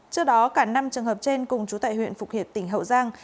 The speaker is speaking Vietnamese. trước đó cả năm trường hợp trên cùng chú tại huyện phục hiệp tỉnh hậu giang